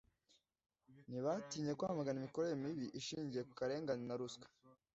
ntibatinya kwamagana imikorere mibi ishingiye ku karengane na ruswa